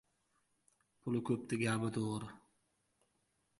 • Puli ko‘pning gapi to‘g‘ri.